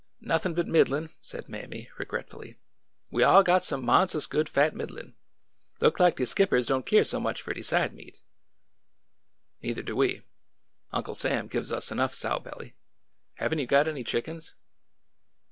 Nothin' but middlin'*" said Mammy, regretfully. We all got some mons'us good fat middlin'. Look lak de skippers don't keer so much fur de side meat." Neither do we. Uncle Sam gives us enough sow belly. Have n't you got any chickens